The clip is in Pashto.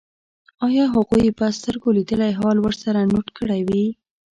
ایا هغوی به سترګو لیدلی حال ورسره نوټ کړی وي